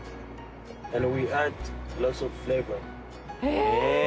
え！